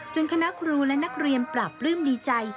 คณะครูและนักเรียนปราบปลื้มดีใจ